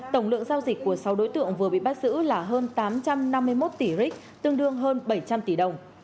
tổng lượng giao dịch của sáu đối tượng vừa bị bắt giữ là hơn tám trăm năm mươi một tỷ ric tương đương hơn bảy trăm linh tỷ đồng